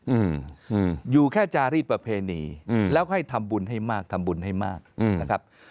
อืมอยู่แค่จารีสประเพณีอืมแล้วให้ทำบุญให้มากทำบุญให้มากอืมนะครับ